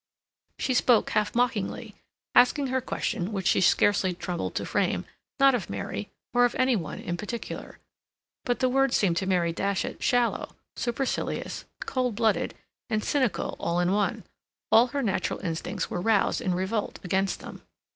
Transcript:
She spoke half mockingly, asking her question, which she scarcely troubled to frame, not of Mary, or of any one in particular. But the words seemed to Mary Datchet shallow, supercilious, cold blooded, and cynical all in one. All her natural instincts were roused in revolt against them.